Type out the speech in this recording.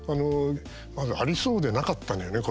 まず、ありそうでなかったのよね